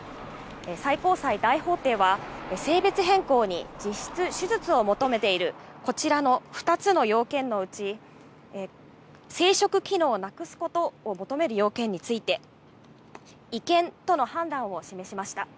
最高裁大法廷は、性別変更に実質、手術を求めている、こちらの２つの要件のうち、生殖機能をなくすことを求める要件について、違憲との判断を示しました。